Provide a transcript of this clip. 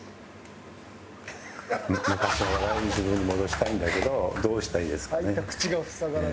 昔の笑える自分に戻したいんだけどどうしたらいいですかね。